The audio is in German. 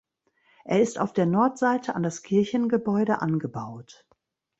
Er ist auf der Nordseite an das Kirchengebäude angebaut.